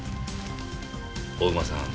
お馬さん